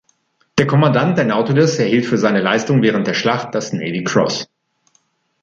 Der Kommandant der "Nautilus" erhielt für seine Leistungen während der Schlacht das Navy Cross.